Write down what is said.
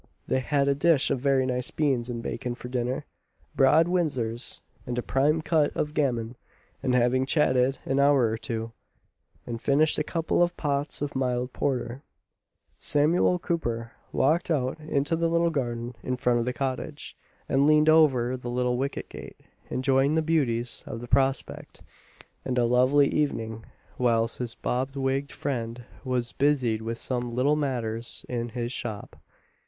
They had a dish of very nice beans and bacon for dinner broad Windsors, and a prime cut of gammon; and having chatted an hour or two, and finished a couple of pots of mild porter, Samuel Cooper walked out into the little garden in front of the cottage, and leaned over the little wicket gate, enjoying the beauties of the prospect and a lovely evening, whilst his bob wigg'd friend was busied with some little matters in his shop.